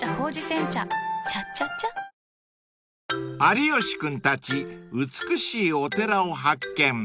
［有吉君たち美しいお寺を発見］